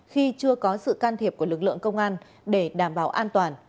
khi chưa có sự can thiệp của lực lượng công an để đảm bảo an toàn